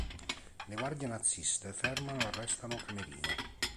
Le guardie naziste fermano e arrestano Camerino.